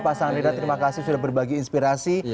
pak sandrida terima kasih sudah berbagi inspirasi